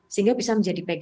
sehingga bisa menjadi penting